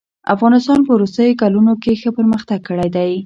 افغانستان په وروستيو کلونو کښي ښه پرمختګ کړی دئ.